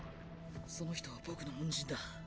その人は僕の恩人だ。